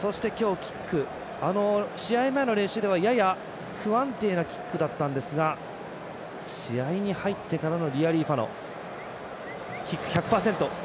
そして、今日、キックあの試合前の練習ではやや不安定なキックだったんですが試合に入ってからのリアリーファノキック１００％。